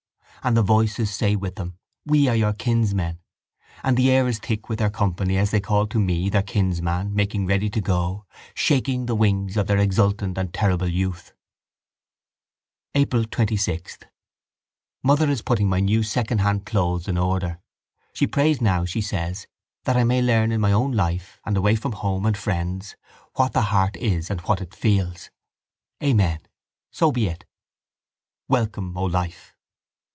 And the voices say with them: We are your kinsmen. And the air is thick with their company as they call to me, their kinsman, making ready to go, shaking the wings of their exultant and terrible youth. April 26. Mother is putting my new secondhand clothes in order. She prays now, she says, that I may learn in my own life and away from home and friends what the heart is and what it feels. Amen. So be it. Welcome, O life!